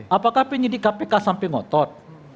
apakah penyidik kpk sampai ngotot